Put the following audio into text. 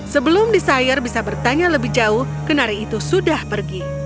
sebelum desire bisa bertanya lebih jauh kenari itu sudah pergi